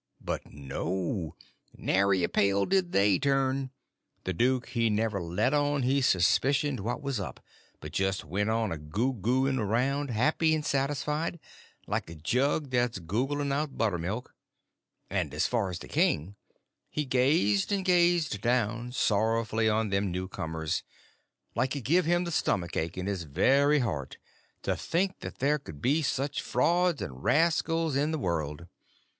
But no, nary a pale did they turn. The duke he never let on he suspicioned what was up, but just went a goo gooing around, happy and satisfied, like a jug that's googling out buttermilk; and as for the king, he just gazed and gazed down sorrowful on them new comers like it give him the stomach ache in his very heart to think there could be such frauds and rascals in the world.